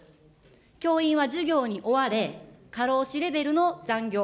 教員は授業に追われ、過労死レベルの残業。